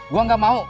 gua nggak mau